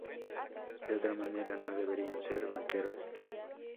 De otra manera, no deberían ser banqueros".